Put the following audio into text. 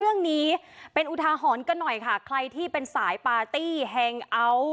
เรื่องนี้เป็นอุทาหรณ์กันหน่อยค่ะใครที่เป็นสายปาร์ตี้แฮงเอาท์